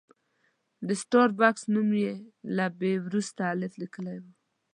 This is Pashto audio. د سټار بکس نوم کې یې له بي وروسته الف لیکلی و.